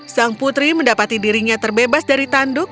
sang putri mendapati dirinya terbebas dari tanduk